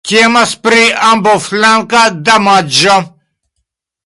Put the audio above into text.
Temas pri ambaŭflanka damaĝo.